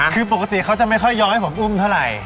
คือปกติเขาจะไม่ค่อยยอมให้ผมอุ้มเท่าไหร่